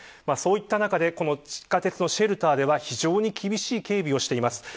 そういった中でこの地下鉄のシェルターでは非常に厳しい警備をしています。